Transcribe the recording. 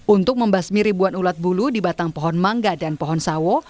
untuk membasmi ribuan ulat bulu di batang pohon mangga dan pohon sawo